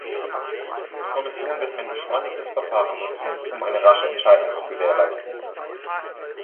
Die Kommission wird ein beschleunigtes Verfahren nutzen, um eine rasche Entscheidung zu gewährleisten.